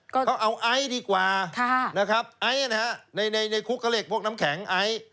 เขาเอาไอดีกว่านะครับไอนะครับในคุกเกาเหล็กพวกน้ำแข็งไอ